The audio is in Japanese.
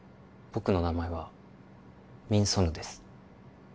僕の名前はミン・ソヌです